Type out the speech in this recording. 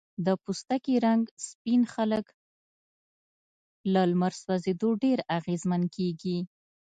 د پوستکي رنګ سپین خلک له لمر سوځېدو ډیر اغېزمن کېږي.